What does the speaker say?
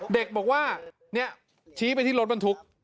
เด็กบอกว่าเนี่ยชี้ไปที่รถบรรทุก